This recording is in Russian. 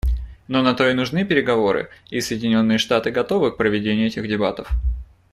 Но на то и нужны переговоры, и Соединенные Штаты готовы к проведению этих дебатов.